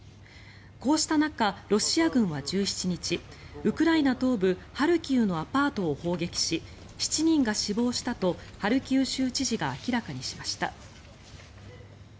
こうした中、ロシア軍は１７日ウクライナ東部ハルキウのアパートを砲撃し７人が死亡したとハルキウ州知事が明らかにしました。